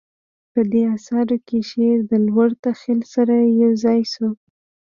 په دې اثارو کې شعر د لوړ تخیل سره یوځای شو